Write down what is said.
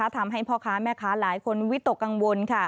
ทำให้พ่อค้าแม่ค้าหลายคนวิตกกังวล